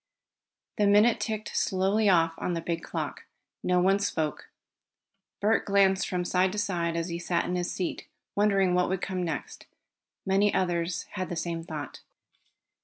The minute ticked slowly off on the big clock. No one spoke. Bert glanced from side to side as he sat in his seat, wondering what would come next. Many others had the same thought.